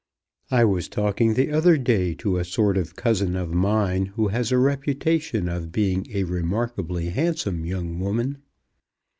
"I was talking the other day to a sort of cousin of mine who has a reputation of being a remarkably handsome young woman.